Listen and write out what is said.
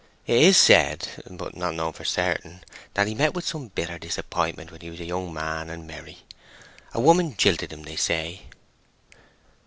"It is said—but not known for certain—that he met with some bitter disappointment when he was a young man and merry. A woman jilted him, they say."